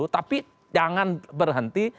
tapi jangan berhenti